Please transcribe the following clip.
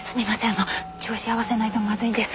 あの調子合わせないとまずいんです。